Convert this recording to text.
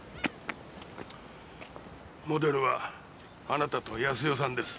モデルはあなたと康代さんです。